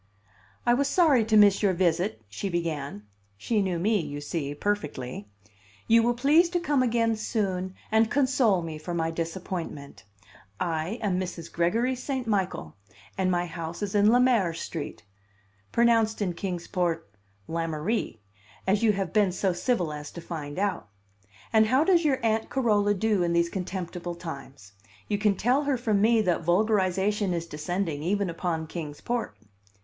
"I was sorry to miss your visit," she began (she knew me, you see, perfectly); "you will please to come again soon, and console me for my disappointment. I am Mrs. Gregory St. Michael, and my house is in Le Maire Street (Pronounced in Kings Port, Lammarree) as you have been so civil as to find out. And how does your Aunt Carola do in these contemptible times? You can tell her from me that vulgarization is descending, even upon Kings Port."